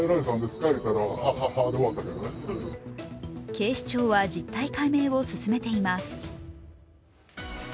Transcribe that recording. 警視庁は、実態解明を進めています。